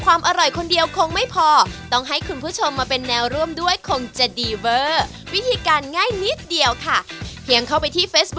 วันนี้ขอบคุณมากเลยครับ